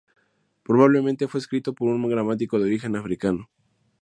Probablemente fue escrito por un gramático de origen africano.